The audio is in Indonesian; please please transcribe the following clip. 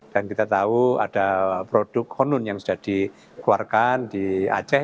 dan kita tahu ada produk konun yang sudah dikeluarkan di aceh